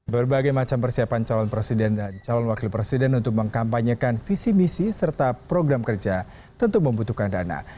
berbagai macam persiapan calon presiden dan calon wakil presiden untuk mengkampanyekan visi misi serta program kerja tentu membutuhkan dana